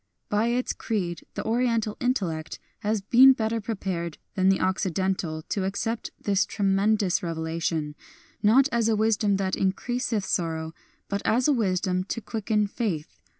By its creed the Oriental intellect has been better prepared than the Occidental to accept this tremendous revelation, not as a wisdom that increaseth sorrow, but as a wisdom to quicken faith.